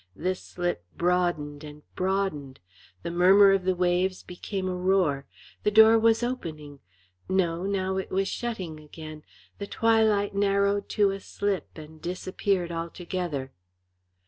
This slip broadened and broadened. The murmur of the waves became a roar. The door was opening no, now it was shutting again; the twilight narrowed to a slip and disappeared altogether.